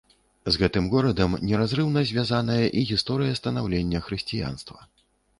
З гэтым горадам неразрыўна звязаная і гісторыя станаўлення хрысціянства.